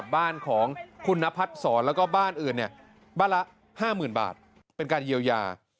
บ้านละ๕๐๐๐๐บาทเป็นการเยียวยา